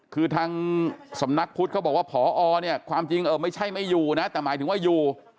คือทางสำนักพุทธเขาบอกว่าพอเนี่ยความจริงเออไม่ใช่ไม่อยู่นะแต่หมายถึงว่าอยู่